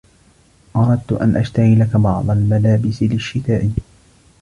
أردت أن أشتري لك بعض الملابس للشّتاء.